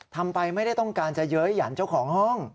ทำไปไม่ได้ต้องการจะเย้ยหยันเจ้าของห้อง